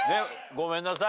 ごめんなさい。